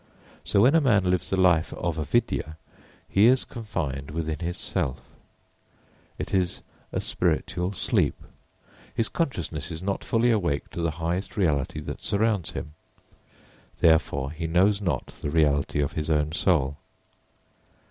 So when a man lives the life of Avidyā he is confined within his self. It is a spiritual sleep; his consciousness is not fully awake to the highest reality that surrounds him, therefore he knows not the reality of his own soul.